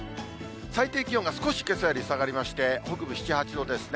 最低気温が少しけさより下がりまして、北部７、８度ですね。